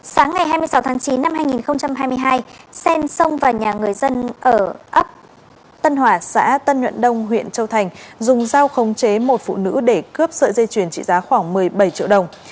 sáng ngày hai mươi sáu tháng chín năm hai nghìn hai mươi hai xen xông vào nhà người dân ở ấp tân hòa xã tân nhuận đông huyện châu thành dùng dao không chế một phụ nữ để cướp sợi dây chuyền trị giá khoảng một mươi bảy triệu đồng